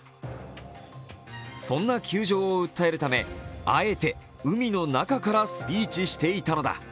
そんな窮状を訴えるため、あえて海の中からスピーチをしていたのだ。